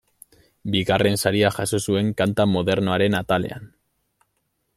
Bigarren saria jaso zuen kanta modernoaren atalean.